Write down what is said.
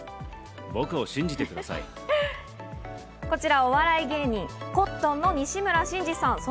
こちら、お笑い芸人コットンの西村真二さん。